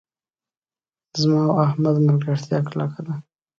زما او احمد ملګرتیا کلکه ده.